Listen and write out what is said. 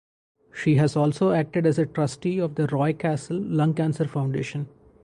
She has also acted as a trustee of the Roy Castle Lung Cancer Foundation.